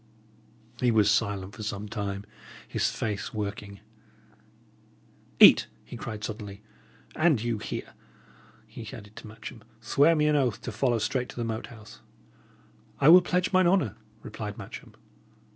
He was silent for some time, his face working. "Eat!" he cried, suddenly. "And you here," he added to Matcham, "swear me an oath to follow straight to the Moat House." "I will pledge mine honour," replied Matcham.